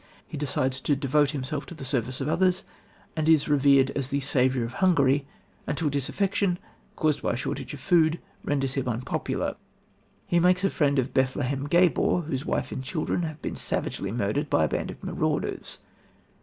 He decides to devote himself to the service of others, and is revered as the saviour of Hungary, until disaffection, caused by a shortage of food, renders him unpopular. He makes a friend of Bethlem Gabor, whose wife and children have been savagely murdered by a band of marauders.